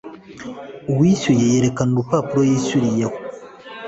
uwishyuye yekerekana urupapuro yishyuriyeho